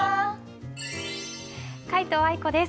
皆藤愛子です。